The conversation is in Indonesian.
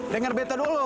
dengar beto dulu